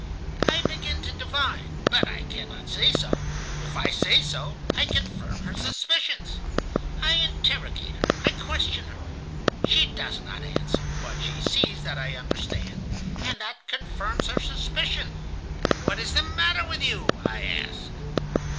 I begin to divine, but I cannot say so. If I say so, I confirm her suspicions. I interrogate her, I question her. She does not answer, but she sees that I understand, and that confirms her suspicions. "'What is the matter with you?' I ask.